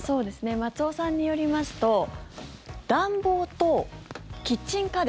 松尾さんによりますと暖房とキッチン家電